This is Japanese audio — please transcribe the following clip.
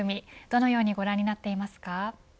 どのようにご覧になっていますか。